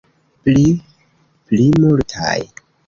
Pli = pli multaj.